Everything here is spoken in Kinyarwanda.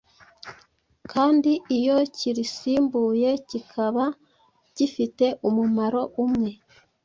kandi iyo kirisimbuye kikaba gifite umumaro umwe